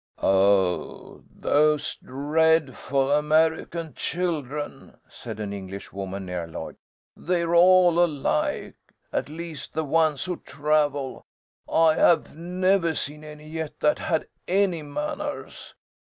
"Oh, those dreadful American children!" said an English woman near Lloyd. "They're all alike. At least the ones who travel. I have never seen any yet that had any manners.